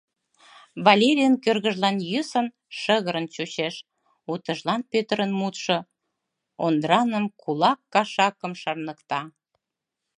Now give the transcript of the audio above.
Валерийын кӧргыжлан йӧсын, шыгырын чучеш, утыжлан Пӧтырын мутшо Ондраным, кулак кашакым шарныкта.